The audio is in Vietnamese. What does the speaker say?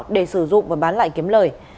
để sử dụng và bán lại kiếm lời